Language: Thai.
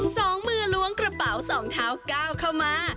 สองมือล้วงกระเป๋าสองเท้าก้าวเข้ามา